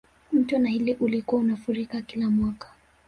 mto naili ulikuwa unafurika kila mwaka